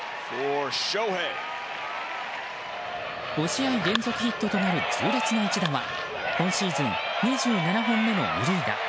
５試合連続ヒットとなる痛烈な一打は今シーズン２７本目の２塁打。